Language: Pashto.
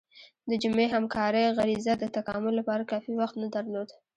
د جمعي همکارۍ غریزه د تکامل لپاره کافي وخت نه درلود.